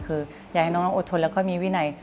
คืออยากให้น้องอดทนแล้วก็มีวินัย